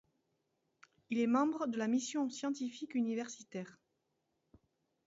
Il est membre de la mission scientifique universitaire.